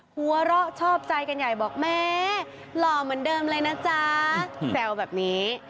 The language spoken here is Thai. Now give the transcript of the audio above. หัวเราะชอบใจกันใหญ่บอกแม่หล่อเหมือนเดิมเลยนะจ๊ะแซวแบบนี้